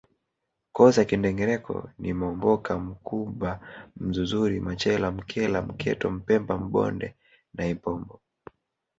Koo za Kindengereko ni Momboka Mkumba Mzuzuri Machela Mkele Mketo Mpeta Mbonde na Ipombo